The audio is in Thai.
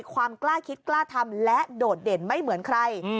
ความกล้าคิดกล้าทำและโดดเด่นไม่เหมือนใคร